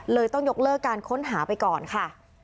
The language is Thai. ต้องยกเลิกการค้นหาไปก่อนค่ะ